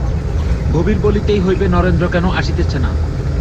ভবির বলিতেই হইবে নরেন্দ্র কেন আসিতেছে না।